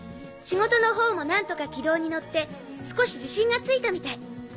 「仕事の方もなんとか軌道にのって少し自信がついたみたい。